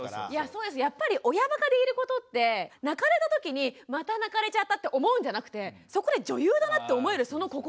やっぱり親バカでいることって泣かれたときに「また泣かれちゃった」って思うんじゃなくてそこで女優だなって思えるその心。